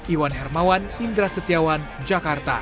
iwan hermawan indra setiawan jakarta